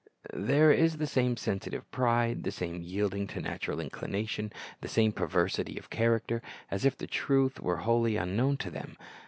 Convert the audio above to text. There is the same sensitive pride, the same yielding to natural inclination, the same perversity of character, as if the truth were wholly unknown to them.